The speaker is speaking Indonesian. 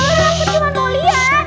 lalu lalu ke tempat mau lihat